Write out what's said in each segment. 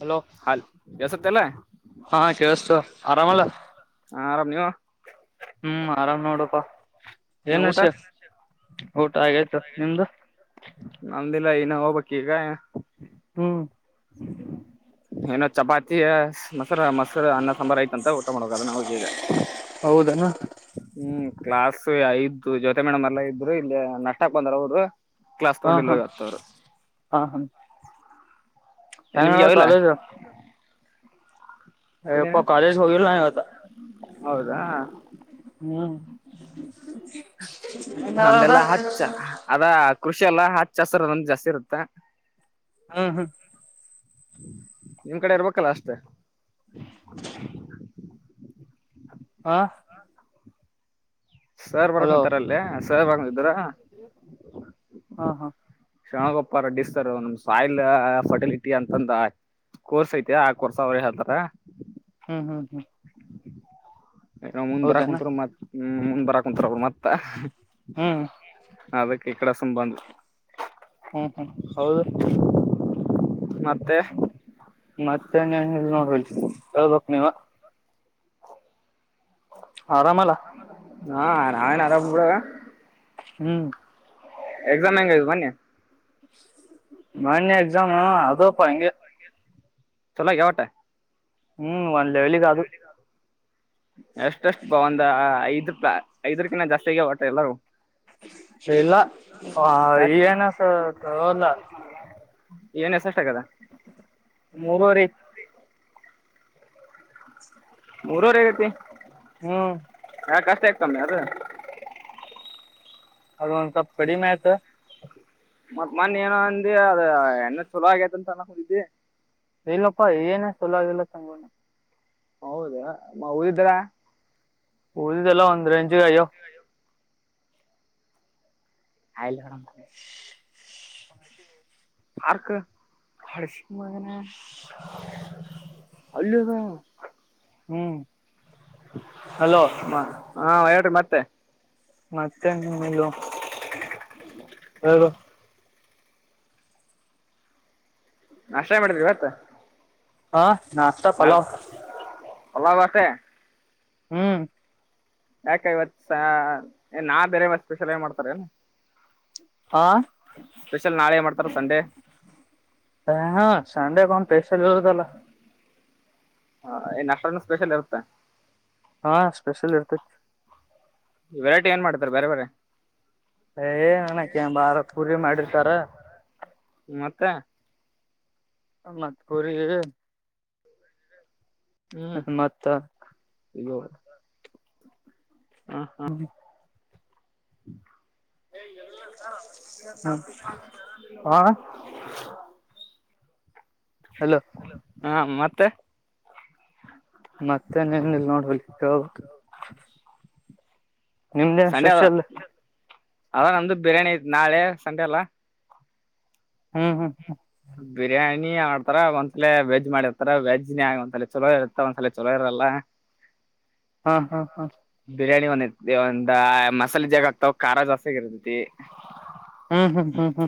Hello ಹಾಲ್ ಕೇಳಸ್ತ ಇಲ್ಲ ಹಾ ಕೇಳಸ್ತು ಕೇಳಸತ ಆರಾಮ ಆರಾಮಲ್ಲ ಅಲ್ಲ. ಹಾ ಆರಾಮ್ ನೀವು. ಹುಂ ಆರಾಮ್ ನೋಡಪ್ಪಾ. ನೀವು ಏನ್ ಊಟ ವಿಷಯ ಊಟ ಆಗೆತ ನಿಮ್ದು. ನಮ್ದಿಲ್ಲ ಇನ್ನು ಹೋಗ್ ಬೇಕ ಈಗ. ಹು ಏನ ಚಪಾತಿ ಮೊಸರ ಮಸ. ಸರ ಅನ್ನ ಸಾಂಬಾರ ಐತಂತ ಊಟ ಮಾಡಬೇಕ ಅದನ್ನ ನಾವ ಈಗ. ಹೌದನಾ ಹು ಕ್ಲಾಸ್ ಇದ್ವು ಜ್ಯೋತಿ ಮೇಡಮ್ ಎಲ್ಲ ಇದ್ರು ಇಲ್ಲಿ ನಾಷ್ಟಾಕ್ ಬಂದ್ರು ಅವ್ರು. ಹಾ ಹಾ ಹಾ ಹಾ. ಹೆಂಗ ನಿಮ್ಗೆ ನಾಡ್ಡುಡ್ ಯಾವಿಲ್ಲ ಕಾಲೇಜ. ಏನ ಹೇಳಪ್ಪ ಕಾಲೇಜಗೆ ಹೋಗಿಲ್ಲ ನಾನ ಇವತ. ಹೌದಾ ಹು. [inaudible] ನಮ್ದೆಲ್ಲಾ ಹಚ್ಚ ಅದ ಕೃಷಿ ಅಲ್ಲಾ ಹಚ್ಚ ಹಸಿರ ನಮ್ದು ಜಾಸ್ತಿ ಇರುತ್ತ. ಹು. ನಿಮ್ ಕಡೆ ಇರ್ಬೇಕಲ್ಲ ಅಷ್ಟ. ಹಾ ಸರ್ ಹಲೋ ಬರಕುಂತಾರಲ್ಲೇ ಸರ್ ಬಂದಿದ್ರ. ಹಾ ಹಾ ಶಣಗೊಪ್ಪ ರಡ್ಡಿ ಸರ್ ನಮ್ ಸಾಯಿಲ್ ಫರ್ಟಿಲಿಟಿ ಅಂತಂದ. ಕೋರ್ಸ್ ಐತೆ ಆ ಕೋರ್ಸ್ ಅವರ ಹೇಳ್ತಾರ. ಹು ಹು ಹು ಯ ಮುಂದ್ ಬರಾಕ್ ಹೌದನಾ ಕುಂತರ ಮತ್ ಮುಂದ್ ಬರಾಕ್ ಕುಂತರ ಅವರು ಮತ್ತ ಹ. ಹು. ಅದಕ್ಕೆ ಈ ಕಡೆ ಸುಮ್ಮನ ಬಂದವ. ಹು ಹುಂ ಹೌದು. ಮತ್ತೆ. ಮತ್ತೆನ್ ಇಲ್ಲ ನೋಡ ಹೇಳ್ಬೇಕು ನೀವ. ಆರಾಮ. ಹಾ ನಾವೇನ್ ಆರಾಮ್ ಬಿಡಾ. ಹ್ಮ್ ಎಕ್ಸಾಮ್ ಹೆಂಗ ಮೊನ್ನೆ. ಮನ್ನೆ ಎಕ್ಸಾಮ ಆದ್ವುಪ ಹಂಗೆ. ಚಲೋ ಗ್ಯಾವ. ಹ್ಮ್ ಒಂದು ಲೆವೆವಲ್ಗೆಗ ಅದು. [inaudible] ಎಷ್ಟಷ್ಟು ಬ ಒಂದ ಐದ್ ರೂಪ ಐದ್ರಕಿಂತ ಜಾಸ್ತಿಗ ಹೊಟ್ಟ ಎಲ್ಲಾರೂ. ಇಲ್ಲ ಈ ಯಾಕ್ ಏನಸ. [inaudible] ಏನ್ ಎಷ್ಟಷ್ಟ ಆಗಡ್. ಮೂರುವರಿ. ಮೂರವರೆ ಆಗೈತಿ. ಹು ಹಾ ಕಷ್ಟ ಐತಮ್ಮಿ ಅದು. ಅದ ಒಂದ ಸಲ್ಪ ಕಡಿಮೆ ಆಯ್ತು. ಮತ್ ಮೊನ್ನೆ ಏನ ಅಂದಿ ಅದ ಎಲ್ಲ ಚಲೋ ಆಗೇತಂತ ಅನ್ನ ಕುಂತಿದಿ. ಇಲ್ಲಪ್ಪಾ ಏನೂ ಚೊಲೋ ಆಗಿಲ್ಲ. ಹೌದಾ. [inaudible] ಓದಿಲ್ಲ ಒಂದರೆಂಜ್ಗೆ ಆಗ್ಯಾವ್. ಹಲ್ಲ್. [inaudible] ಆರ್ಕ ಹಾಡಿಸಿಮಗನ ಅಲ್ಲಿ. ಹ್ಮ್ ಹಲೋ. ಹ ಹಾ ಹೇಳ್ರಿ ಮತ್ತೆ. ಮತ್ತೆನ್ [unintelligible] ಹೇಳು. ನಾಷ್ಟಾ ಏನ್ ಮಾಡಿದ್ರಿ ಇವತ್ತ್? ಹಾ ನಾಸ್ಟಾ ಪಲಾವ್. ಹಲೋ [unintelligible] ಹ್ಮ್ ಯಾಕ ಇವತ್ ನಾಳೆ ಬೇರೆ ಮತ್ತ್ ಸ್ಪೆಷಲ್ ಏನ್ ಮಾಡ್ತಾರೆನ್? ಹಾ ಸ್ಪೆಷಲ್ ನಾಳೆ ಏನ್ ಮಾಡ್ತಾರ ಸಂಡೆ? ಹ ಹಾ ಸಂಡೆಕೊಮ್ಮ ಸ್ಪೆಷಲ್ ಇರೋದಲಾ. ಹ ಏನ್ ನಾಷ್ಟಾನೂ ಸ್ಪೆಷಲ್ ಇರುತ್ತ? ಹಾ ಸ್ಪೆಷಲ್ ಇರ್ತೈತಿ. ವೆರೈಟಿ ಏನ್ ಮಾಡ್ತಾರ ಬ್ಯಾರೆ ಬ್ಯಾರೆ? ಏ ಅನಕ ಏನ್ ಭಾಳ ಪೂರಿ ಮಾಡಿರ್ತಾರ. ಮತ್ತೆ. ಮತ್ ಪುರಿ ಜೋಡಿ ಹ್ಮ್ ಮತ್ತ ಇಗ ಹಾ ಹಾ [inaudible] [unintelligible] ಹ [inaudible] ಹಲೋ ಹಾ ಮತ್ತೆ ಮತ್ತೆನ್ ಏನಿಲ್ ನೋಡ್ ಬೈ ಹೇಳಬೆಕ್. ನಿಮ್ದೇನ್ ಸಂಡೆ ಅದ ಸ್ಪೆಷಲ್ ಅದ ನಮ್ದ ಬಿರಿಯಾನಿ ಇತ್ ನಾಳೆ ಸಂಡೆ ಅಲಾ. ಹ್ಮ್ ಹ್ಮ್ ಬಿರಿಯಾನಿ ಆಡ್ತಾರ ಒಂದ್ಸಲ ವೆಜ್ ಮಾಡಿರ್ತಾರ ವೆಜ್ನೇ ಆಗ ಒಂದ್ಲ ಚಲೋ ಇರತ್ತ ಒಂದ್ಸಲ ಚಲೋ ಇರಲ್ಲ. ಹಾ ಹಾ ಹಾ ಬಿರಿಯಾನಿ ಒಂದೈತಿ ಒಂದ ಮಸಾಲೆ ಜಗ್ಗ ಹಾಕ್ತಾವ್ ಖಾರ ಜಾಸ್ತಿ ಆಗರ್ತೈತಿ. ಹ್ಮ್ ಹ್ಮ್ ಹ್ಮ್ ಹ್ಮ್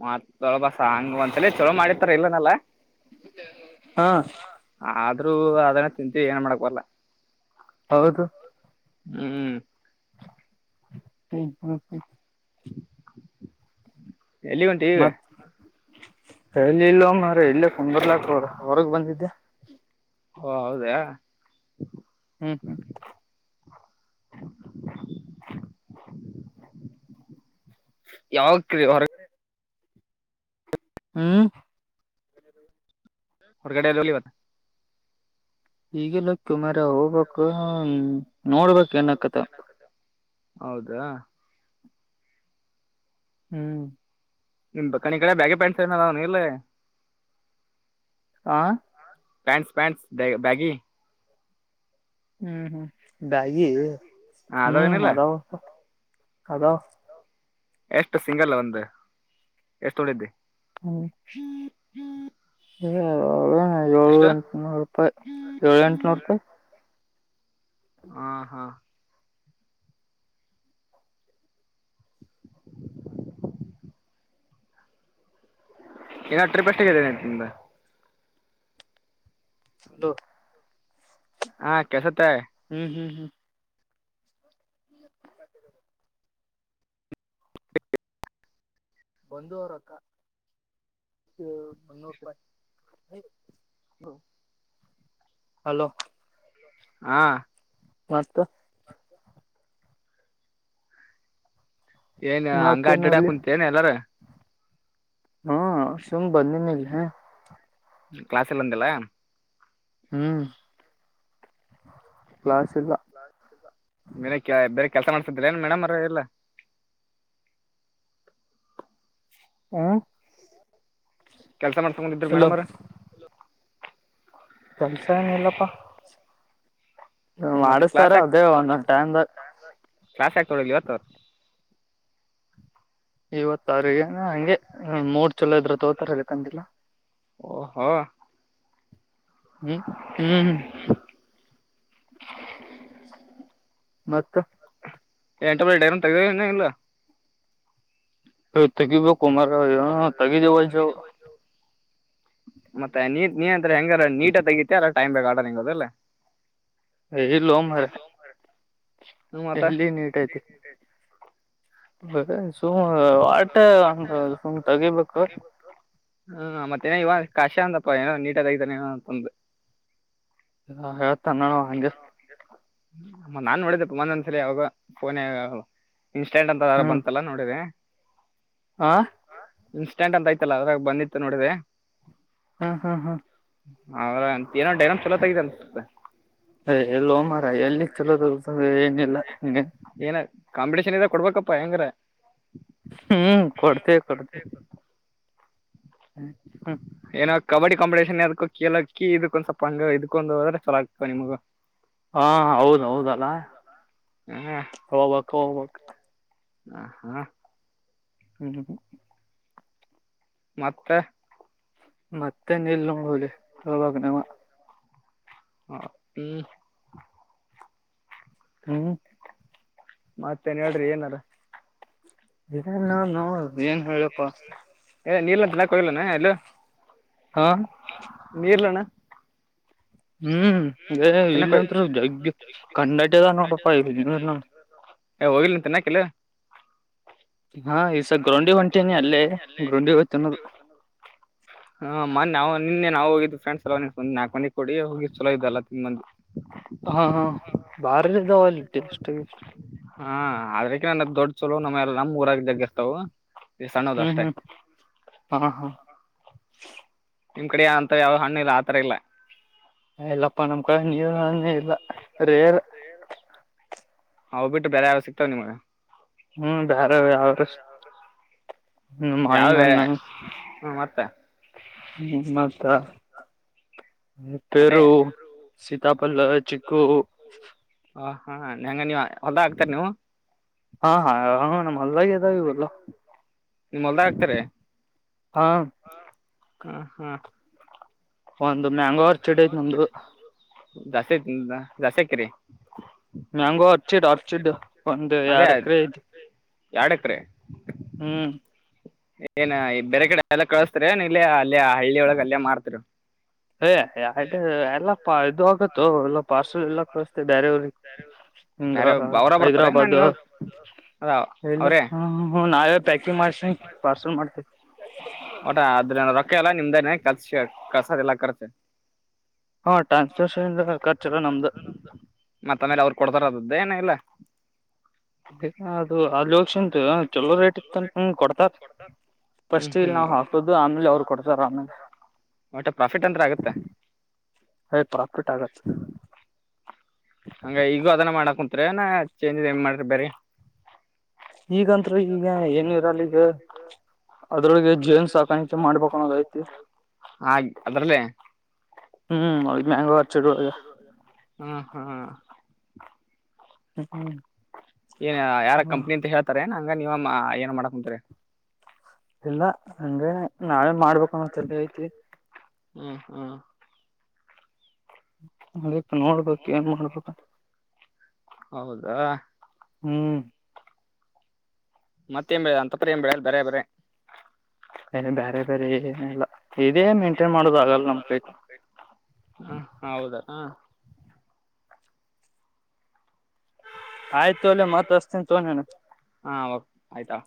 ಮತ ದೊಳ ಬಸ ಹಂಗ ಒಂದಸಲ ಚಲೋ ಮಾಡಿರ್ತಾರ್ ಇಲ್ಲ ಅನಲ್ಲ. ಹಾ ಆದ್ರೂ ಅದನ್ನ ತಿಂತ ಏನ್ ಮಾಡಕ ಬರಲ್ಲ. ಹೌದು. ಹ್ಮ ಹ್ಮ್ ಹ್ಮ್ ಎಲ್ಲಿಗ ಹೊಂಟಿ ಈಗ? ಎ ಎಲ್ಲ ಇಲ್ಲೋ ಮಾರಾಯ ಇಲ್ಲ ಕುಂದರ್ಲಕ ಹೊರಗ್ ಬಂದಿದ್ದೆ. ಓ ಹೌದಾ. ಹ್ಮ್ ಹ್ಮ್ [inaudible] ಯಾವಗ ಹೊಕ್ರಿ ಹೊರಗ್ ಹ್ಮ್ ಹೊರ್ಗಡೆ ಎಲ್ಲಿ ಹೋಗಿ ಇವತ್ತ್? ಈಗೆಲ್ಲ ಹೊಕ್ಕೋ ಮಾರಾಯ ಹೋಬೇಕು ನೋಡ್ಬೇಕ್ ಏನ್ ಆಕ್ಕೆತ್ತೋ. ಹೌದ. ಹ್ಮ್ ನಿನ್ನ ಈ ಕಡೆ ಬಾಗ ಪ್ಯಾಂಟ್ಸ್ ಅವ ಇಲ್ಲ. ಹಾ ಪ್ಯಾಂಟ್ಸ್ ಪ್ಯಾಂಟ್ಸ್ ಬ್ಯಾಗಿ. ಹ್ಮ್ ಹ್ಮ್ ಬ್ಯಾಗಿ, ಹ ಹ್ಮ್ ಅದಾವೇನಿಲ್ಲ ಅದಾವ ಪಾ ಅದಾವ. ಎಷ್ಟು ಸಿಂಗಲ ಒಂದು ಎಷ್ಟು ಹೊಡಿತಿ? ಹ್ಮ ಏಳು ಎಷ್ಟು ಎಂಟುನೂರು ರೂಪಾಯಿ ಏಳು ಎಂಟುನೂರು ರೂಪಾಯಿ. ಹಾ ಹಾ ಏ ಟ್ರಿಪ್ಷನ [unintelligible] ನಿಂದ ಹಲೋ ಹಾ ಕೆಳಸತ್ತೆ ಹ್ಮ್ ಹ್ಮ್ ಹ್ಮ್ [inaudible] ಬಂದು ಅವರಕ್ಕ ಮುನ್ನೂರು ರೂಪಾಯಿ. ಹ್ಮ ಹಲೋ ಹಾ ಮತ್ತ? ಏನ್ ಹಂಗ ಮತ್ತೇನ ಅಡ್ಡಾಡಕ್ ಅಲ್ಲಿ ಕುಂತೇನ್ ಎಲ್ಲಾರ ಹಾ ಸುಮ ಬಂದನಿ ಇಲ್ಲಿ. ಕ್ಲಾಸ್ ಇಲ್ಲ ಅಂದಿ ಅಲಾ? ಹ್ಮ್ ಕ್ಲಾಸ್ ಇಲ್ಲ. ಮನ ಬೇರೆ ಕೆಲಸ ಮಾಡ್ತಿದ್ದಿಲ್ಲ ಏನ್ ಮೇಡಮ್ ಅವರ ಇಲ್ಲ ಹ ಕೆಲಸ ಮಾಡ್ಕೊಂಡಂದಿದ ಹಲೋ ಮೇಡಮ ಅವರು. ಕೆಲ್ಸ ಏನು ಇಲ್ಲಪ್ಪಾ ಮತ್ತೆ ಮಾಡಿಸ್ತಾರ ಕ್ಲಾಸ್ ಯಾಕ್ ಅದೇ ಒಂದೊಂದು ಟೈಮ್ ದಾಗ. [unintelligible] ಕ್ಲಾಸ್ ಯಾಕ ತಗೋ ಇವತ್ತ್ ಅವರು ಇವತ್ತಾರಿಗೆ ಹಂಗೆ ಮೂಡ ಚಲೋ ಇದ್ರ ತೋತಾರೆ ಇಳ್ಕಂತಿಲ್ಲಾ ಓಹೋ ಹ್ಮ್ ಹ್ಮ್್ಮ ಮತ್ತ ಎಂಟ ಡೇರ ತಗ್ದವನ್ನ ಇಲ್ಲ ಹ ತಗಿ ಬೇಕು ಮಾರಯಾ ತಗಿದೆ ವಜಾವ ಮತ್ತೆ ನೀ ನೀ ಅಂತ ಹೆಂಗಾರ ನೀಟ ತೆಗತಿ ಅ್ರ ಟೈಮ್ ಬೇಕು ಆಡ ಹೆಂಗದಲ್ಲ ಇಲ್ಲೋ ಮಾರಾಯ [unintelligible] ಎಲ್ಲಿ ನೀಟೈತಿ ಸುಮ್ ವಟ ಒಂದ ಸುಮ್ ತಗಿಬೇಕು ಹ್ಮ ಮತ್ತೆೇನ ಇವಾಗ ಕಾಶ್ಯಾ ಅಂದಪ್ಪ ಏನೋ ನೀಟಾಗತಾನ ಏನೋ ಅಂತಂದಂದು ಹಾ ಹೇಳ್ತಾನ್ನಾವ ಹಂಗ ನಾನ್ ನೋಡಿದ್ದಪ್ಪ ಒಂದೊಂದ್ ಸಾರಿ ಅವಾಗ ಫೋನನಾಗ ಇನ್ಸ್ಟೆಂಟ್ ಅಂತಾರ ಬಂತಲ್ಲ ನೋಡ್ರೆ ಹಾ ಇನ್ಸ್ಟೆಂಟ್ ಅಂತ ಆಯ್ತಲ್ಲ ಅದ್ರಾಗ ಬಂದಿತ್ತು ನೋಡಿದೆ. ಹಾ ಹಾ ಹಾ ಅವ್ರ ಅಂತ ಏನೋ ಡೈಗ್ರಾಮ ಚಲೋ ತಗೀತಿ ಅಂತ್. ಅ ಎಲ್ಲಿ ಹೋಮಾರಯ ಎಲ್ಲಿ ಚಲೋದು ಏನಿಲ್ಲ ಹಂ. ಏನ ಕಾಂಪಿಟೇಷನ್ ಇದ್ದಾಗ ಕೊಡ್ಬೇಕಪ್ಪಾ ಹೆಂಗರ. ಹ್ಮ್ ಕೊಡ್ತೆವಿ ಕೊಡ್ತೆವಿ. ಹ್ಮ ಏನೋ ಕಬಡ್ಡಿ ಕಾಂಪಿಟೇಷನ್ ಅದಕ್ಕ ಕೇಳಲಕ್ಕಿ ಇದ್ಕ್ಕೊಂದ ಸ್ವಲ್ಪಂಗ ಇದಕೊಂದು ಹೋದ್ರ ಚಲ ಆಗ್ತಿವು ನಿಮಗ. ಹಾ ಹೌದ ಹೌದಲ್ಲ ಹಾ ಹೋಗ್ಬಕ್ ಹೋಗ್. ಹ ಹಾ. ಹು ಮತ್. ಮತ್ತೆ ನಿಲ್ ನೋಡುವಿ ಹೇಳ್ಬೇಕು ನೀವ. ಹ. ಹ್ಮ್ ಮತ್ತೆನ್ ಹೇಳ್ರಿ ಏನಾರ. ಇ ನ ನೋದು. ಏ ನೀಲ್ಲಂತಲ್ಲ ಕೊೋಗಲಾನ ಎಲ್ಲ. ಹಾ ನೀರ್ಲಣ್ಣ. ಹ್ಮ್ ತಿನ್ನಕ್ ಹೋಗಿ ಇಲ್ಲಂತ ಜಗ್ ಕಣ್ಣಟ ಅದ ನೋಡಪ್ಪಾ ಇಲ್ಲಿಂದ ನೋಡ. ಏ ಹೋಗಿಿಲ್ಲ ಅಂತ ತಿನ್ನಾಕಿಲ್ಲ. ಹಾ ಈಸ ಗ್ರೌಂಡಿ ಒಂಟೇನ ಅಲ್ಲೇ ಗ್ರೌಂಡಿವತ್ತುನ್ನೋದು. ಹಾ ಮೊ ನವು ನಿನ್ನೆ ನಾವು ಹೋಗಿದ್ದ ಫ್ರೆಂಡ್ಸ್ ಎಲ್ಲ ಒ ನಾಕ ಮನೆ ಕೊಡಿ ಹೋಗಿ ಚಲೋ ಇದಲ್ಲ ತಿನ್ ಬನ್ವಿ. ಹಾ ಹಾ ಬಾರಿಲಿ ದವಲ್ಲಿಷ್ಟ. ಹಾ ಅದ್ರಕ ನಾನ ದೊಡ್ ಚಲೋ ನಮ್ಮಲ್ಲ ನಮ್ಮ್ ಊರಾಗ್ದಗ ಇರ್ತವು. ಹ್ಮ್ ಹ್ಮ್ ಹಾ ಹಾ ನಿಮ್ ಕಡೆ ಅಂತ ಯಾವ್ದ ಹಣ್ಣ ಇ ಆ ತರ ಇಲ್ಲ. ಇಲ್ಲಪ್ಪಾ ನಮ್ ಕಡೆ ನೆಲದನ್ನೇ ಇಲ್ಲ ರೇರ್. ಹ್ಬ ಬಿಟ್ಟು ಬರೆ ಯಾವ ಸಿತಾವ ನಿಮಗೆ. ಹ್ಮ್ ಬೇರೆ ಯರು ಯಾವ ಬೇರೆ ಮಾನಣ್ಣ. ಹ್ಞೂ ಮತ್ತೆ ಹ್ಮ ಮತ್ತ. ಅಟೆ ಪೇರು ಸೀತಾಪಲ್ಲ ಚಿಕ್ಕು. ಹ ಹಾ ಹೆಂಗ ನೀವು ಹೋಲ್ಡಗ್ ಆಗ್ತರ್ ನೀವು. ಹಾ ಹಾ ಹ ನಮ್ ಹೋಲ್ಡಿಗೆ ಇದಾವೆ ಇವೆಲ್ಲ. ನಿಮ್ಮಲ್ದ ಹಗ್ತಾರೆ ಹಾ ಹ ಹಾ. ಒಂದು ಮ್ಯಾಂಗೋ ಆರ್ಚಿಡ್ ಐತೆ ನಮ್ದಂದು. ಜಾಸ್ತಿ ತಿಂದ್ನ ಜಾಸ್ತಿ ಆಕ್ಕಿರಿ. ಮ್ಯಾಂಗೋ ಆರ್ಚಿಡ್ ಆರ್ಚಿಡ್ ಒಂದು ಎರಡು ಎಕರೆ ಐತಿ. ಎಕ್ರೆ ಹ್ಮ ಏನ ಈ ಬೇರೆ ಕಡೆ ಎಲ್ಲ ಕಳಸ್ತ ನೀ ಇಲ್ಲ ಅಲ್ಲೇ ಆ ಹಳ್ಳಿ ಒಳಗೆ ಅಲ್ಲೇ ಮಾಡ್ತರಿ. ಹೇ ಎಡು ಎಲ್ಲಪ್ಪ ಇದು ಆಗುತೋ ಎಲ್ಲ ಪಾರ್ಸಲ್ ಎಲ್ಲ ಕಸ್ತೆ ಬೇರೆಯವ್ರಿಗೆ. ಹಂಗ ಬೇರೆ ಅವರ ಬರ್ತಾರೆ ನಾನು ಹೈದ್ರಾಬಾದು. ಇವಾಗ ಅದ ಹೇ ಇಲ್ಲ ಅವರೇ ಹ ನಾಳೆ ಪ್ಯಾಕಿಂಗ್ ಮಾಡ್ಸಿ ಪಾರ್ಸಲ್ ಮಾಡ್ತೇವಿ. ಓಟಾ ಅದ್ರ ರೊಕ್ಕ ಎಲ್ಲಾ ನಿಮ್ದೇನೆ ಕದ್ಸ ಕಸದೆ ಎಲ್ಲಾ ಕರ್ತೆೆ. ಹಾ ಟ್ರಾನ್ಸರ್ಷನದ ಖಚೆಲ್ಲಾ ನಮ್ದು. ಮತ್ತಮೇಲೆ ಅವ್ರು ಕೊಡ್ತಾರ ಅದ್ದ ಏನ ಇಲ್ಲ. [unintelligible] ಅಲ್ಲಿ ಹೋಗಸಿಂದ ಚಲೋ ರೇಟ್ ಇತ್ತಂತ್ ಕೊಡ್ತಾರ್. ಹ್ಞೂ ಫಸ್ಟ್ ಇಲ್ಲಿ ಹ್ಞೂ ನಾವ್ ಹಾಕೋದು ಆಮೇಲೆ ಅವ್ರು ಕೊಡ್ತಾರ ಆಮೇಲೆ. ಒಟ್ಟು ಪ್ರಾಫಿಟ್ ಅಂತ ಆಗುತ್ತೆ ಅಯ್ಯ್ ಪ್ರಾಫಿಟ್ ಆಗತ್ತ್. ಹಂಗ ಈಗು ಅದನ್ನ ಮಾಡಾಕ ಕುಂತ್ರ ಏನ್ [unintelligible] ಏನ್ ಮಾಡಿರಿ ಬೇರೆ. ಈಗಂತ್ರು ಈಗ ಏನು ಇರಲ್ಲ ಈಗ. ಅದ್ರೊಳಗೆ ಜೇನ್ಸ್ ಸಾಕಾಣಿಕೆ ಮಾಡ್ಬೇಕನ್ನುದ್ ಐತಿ. ಹಾಗೆ ಅದರಲ್ಲೇ ಹ್ಮು [unintelligible] ಚಲೋ ಅದ. ಅ ಹ. ಹ್ಮ್ ಏನ್ ಯಾರ ಹ್ಮ್ ಕಂಪ್ನಿ ಅಂತ ಹೇಳ್ತಾರ ಏನ್ ಹಂಗ್ ನೀವ್ ಮ ಆ ಏನ್ ಮಾಡಾಕ್ [unintelligible] ಇಲ್ಲ ಹಂಗ ನಾವೇ ಮಾಡ್ಬೇಕು ಅನ್ನುದ್ ತೇರೆ ಐತಿ. ಹ್ಮು ಹ. ಅದಕ್ಕ್ ನೋಡ್ಬೇಕ ಏನ್ ಮಾಡ್ಬೇಕ. ಹೌದಾ ಹ್ಮು ಮತ್ತೇ [unintelligible] ಹಂತಪಾರಿ ಏನ್ ಬೆಳಿಯಲ್ಲ ಬೇರೆ ಬೇರೆ. ಏನ್ ಬ್ಯಾರೆ ಬ್ಯಾರೆ ಏನಿಲ್ಲ ಇದೇ ಮೇಂಟೈನ್ ಮಾಡದು ಆಗಲ್ಲ ನಮ ಕೈ ಬೆ ಹ ಹೌದ್ ಹ. ಆಯ್ತ್ ತೊಲ್ಲೇ ಮತ್ತ್ ಹಚ್ತೀನ್ ತಗೋ [unintelligible] ಹಾ ಓ ಆಯ್ತಾ.